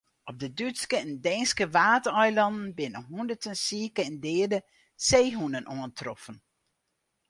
Op de Dútske en Deenske Waadeilannen binne hûnderten sike en deade seehûnen oantroffen.